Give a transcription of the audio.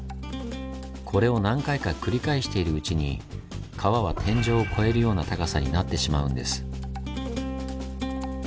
これを何回か繰り返しているうちに川は天井を越えるような高さになってしまうんです。